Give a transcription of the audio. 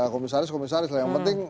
komisaris komisaris lah yang penting